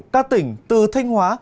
các tỉnh từ thanh hóa